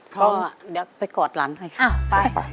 พ่อเดี๋ยวไปกอดหลังให้ค่ะไป